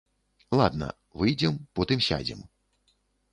Ладна, выйдзем, потым сядзем.